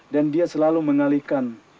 dan dia selalu mengalihkan